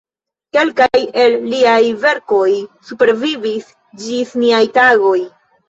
Kelkaj el liaj verkoj supervivis ĝis niaj tagoj.